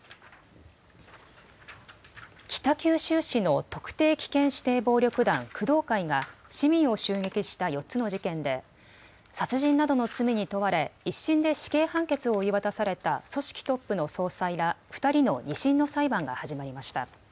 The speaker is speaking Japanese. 北九州市の特定危険指定暴力団、工藤会が市民を襲撃した４つの事件で殺人などの罪に問われ１審で死刑判決を言い渡された組織トップの総裁ら２人の２審の裁判が始まりました。